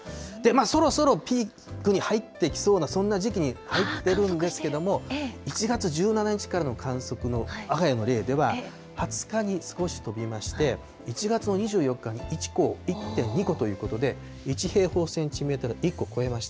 そろそろピークに入ってきそうな、そんな時期に入ってるんですけども、１月１７日からの観測のわが家の例では、２０日に少し飛びまして、１月の４日に１．２個ということで、１平方センチメートル１個超えました。